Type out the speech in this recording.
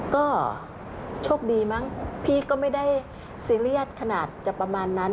ก็โชคดีมั้งพี่ก็ไม่ได้ซีเรียสขนาดจะประมาณนั้น